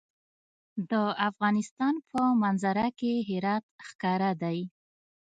د افغانستان په منظره کې هرات ښکاره دی.